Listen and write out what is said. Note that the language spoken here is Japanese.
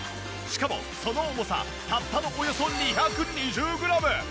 しかもその重さたったのおよそ２２０グラム。